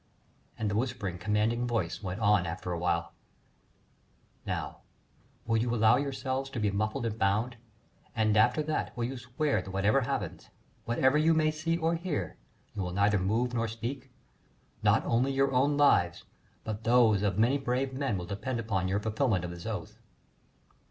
And the whispering, commanding voice went on after awhile: "Now, will you allow yourselves to be muffled and bound? and after that will you swear that whatever happens, whatever you may see or hear, you will neither move nor speak. Not only your own lives, but those of many brave men will depend upon your fulfilment of this oath."